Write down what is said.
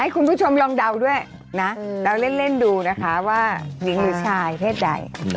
คุณผู้ชมลองเดาด้วยนะเดาเล่นดูนะคะว่าหญิงหรือชายเพศใด